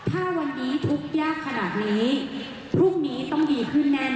ถ้าวันนี้ทุกข์ยากขนาดนี้พรุ่งนี้ต้องดีขึ้นแน่นอ